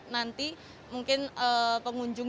nanti mungkin pengunjung